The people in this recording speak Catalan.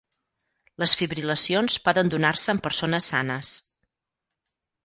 Les fibril·lacions poden donar-se en persones sanes.